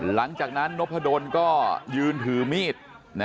หลังจากนั้นนพดลก็ยืนถือมีด